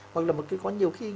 hoặc là một cái có nhiều khi